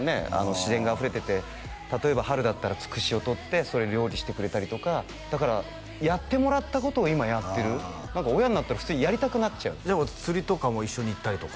自然があふれてて例えば春だったらつくしを採ってそれ料理してくれたりとかだからやってもらったことを今やってる何か親になったら普通にやりたくなっちゃうじゃあ釣りとかも一緒に行ったりとか？